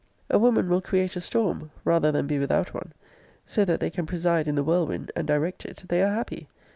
A woman will create a storm, rather than be without one. So that they can preside in the whirlwind, and direct it, they are happy.